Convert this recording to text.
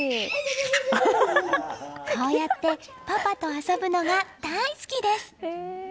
こうやってパパと遊ぶのが大好きです。